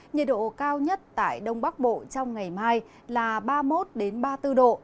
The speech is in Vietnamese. nhiệt độ cao nhất tại đông bắc bộ trong ngày mai là ba mươi một ba mươi bốn độ